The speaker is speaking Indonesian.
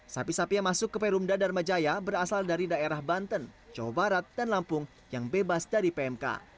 sapi sapi yang masuk ke perumda dharma jaya berasal dari daerah banten jawa barat dan lampung yang bebas dari pmk